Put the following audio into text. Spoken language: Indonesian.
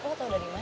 berarti bener kan